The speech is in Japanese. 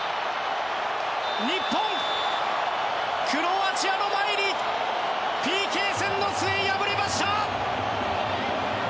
日本、クロアチアの前にＰＫ戦の末、敗れました！